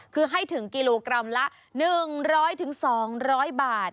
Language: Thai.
คือให้ถึงกิโลกรัมละ๑๐๐๒๐๐บาท